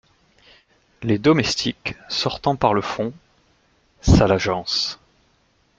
Les Domestiques , sortant par le fond. — Sale agence !